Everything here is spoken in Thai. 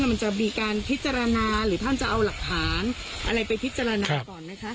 มันจะมีการพิจารณาหรือท่านจะเอาหลักฐานอะไรไปพิจารณาก่อนไหมคะ